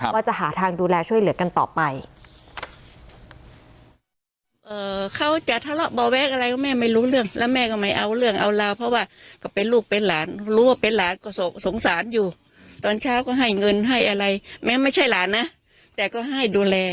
ว่าจะหาทางดูแลช่วยเหลือกันต่อไป